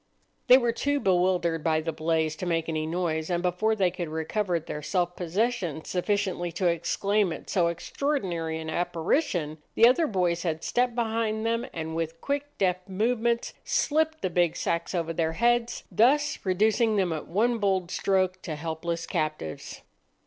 They were too bewildered by the blaze to make any noise, and before they could recover their self possession sufficiently to exclaim at so extraordinary an apparition, the other boys had stepped behind them, and with quick, deft movements slipped the big sacks over their heads, thus reducing them at one bold stroke to helpless captives.